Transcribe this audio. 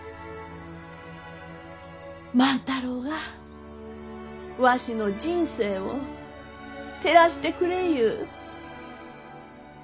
万太郎はわしの人生を照らしてくれゆう。